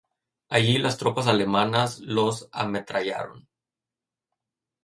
Allí, las tropas alemanas los ametrallaron.